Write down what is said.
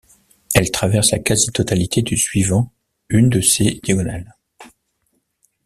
Elle traverse la quasi-totalité du suivant une de ses diagonales.